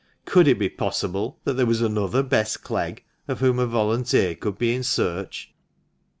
Could it be possible that there was another Bess Clegg of whom a volunteer could be in search